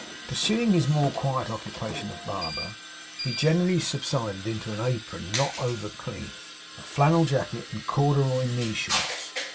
Pursuing his more quiet occupation of barber, he generally subsided into an apron not over clean, a flannel jacket, and corduroy knee shorts.